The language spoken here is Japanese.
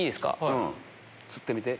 つってみて。